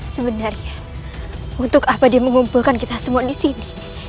sebenarnya untuk apa dia mengumpulkan kita semua di sini